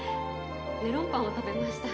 メロンパンを食べました。